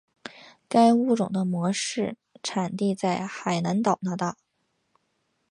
该物种的模式产地在海南岛那大。